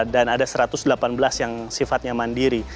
dan ada satu ratus delapan belas yang sifatnya mandiri